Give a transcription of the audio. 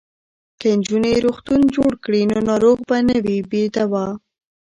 که نجونې روغتون جوړ کړي نو ناروغ به نه وي بې دواه.